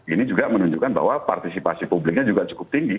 ini juga menunjukkan bahwa partisipasi publiknya juga cukup tinggi